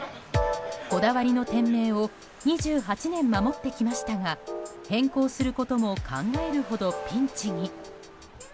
こだわりの店名を２８年守ってきましたが変更することも考えるほどピンチに。